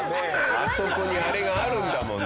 あそこにあれがあるんだもんな。